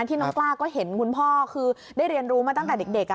ที่น้องกล้าก็เห็นคุณพ่อคือได้เรียนรู้มาตั้งแต่เด็ก